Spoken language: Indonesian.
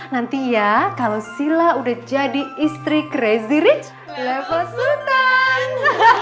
nanti ya kalau sila udah jadi istri crazy rich level